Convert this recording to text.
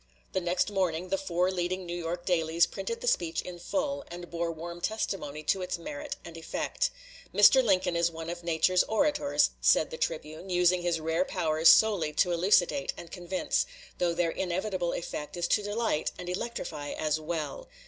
The next morning the four leading New York dailies printed the speech in full, and bore warm testimony to its merit and effect. "Mr. Lincoln is one of nature's orators," said the "Tribune," "using his rare powers solely to elucidate and convince, though their inevitable effect is to delight and electrify as well.